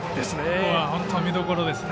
ここは見どころですね。